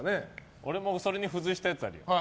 俺もそれに付随したやつある。